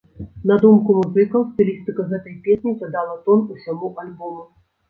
На думку музыкаў, стылістыка гэтай песні задала тон усяму альбому.